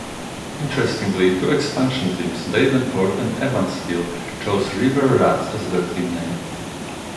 Interestingly, two expansion teams, Davenport and Evansville, chose "River Rats" as their team name.